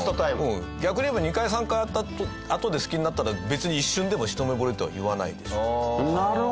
逆に言えば２回３回会ったあとで好きになったら別に一瞬でも一目惚れとは言わないでしょ。